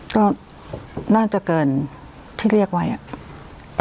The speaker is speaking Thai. ก็น่าจะเกินที่เรียกไว้อะ